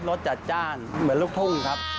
สจัดจ้านเหมือนลูกทุ่งครับ